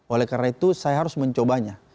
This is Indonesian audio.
oleh karena itu saya harus mencobanya